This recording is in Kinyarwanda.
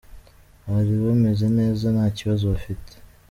Bari bameze neza nta kibazo bafite.